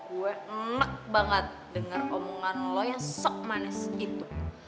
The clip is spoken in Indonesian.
gue enak banget dengar omongan lo yang sok manis itu